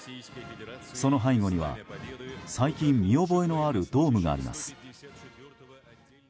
その背後には最近見覚えのあるドームがあります。